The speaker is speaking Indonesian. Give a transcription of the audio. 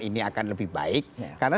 ini akan lebih baik karena